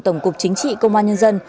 tổng cục chính trị công an nhân dân